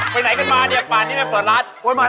ไปไหนก็มาเนี่ยพานี่ไม่เปิดร้าน